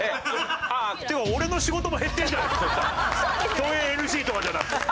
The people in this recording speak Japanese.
共演ＮＧとかじゃなくて。